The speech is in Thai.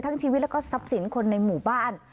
ชีวิตแล้วก็ทรัพย์สินคนในหมู่บ้าน